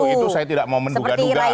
itu saya tidak mau menduga duga